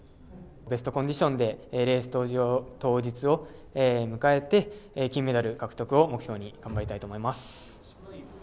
ベストコンディションでレース当日を迎えて金メダル獲得を目標に頑張りたいと思います。